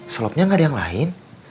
slopnya nggak ada yang lain